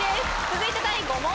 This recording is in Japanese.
続いて第５問。